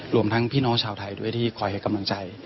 รวมทั้งพี่น้องชาวไทยด้วยที่คอยให้กำลังใจ